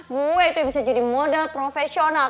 gue itu bisa jadi model profesional